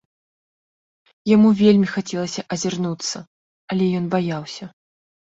Яму вельмі хацелася азірнуцца, але ён баяўся.